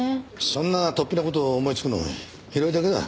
そんなとっぴな事を思いつくの平井だけだ。